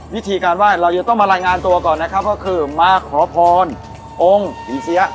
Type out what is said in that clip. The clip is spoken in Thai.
วิธีการไห้เรายังต้องมารายงานตัวก่อนนะครับก็คือมาขอพรองค์ผีเสีย